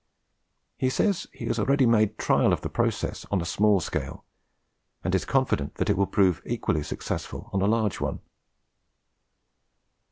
He says he has already made trial of the process on a small scale, and is confident that it will prove equally successful on a large one.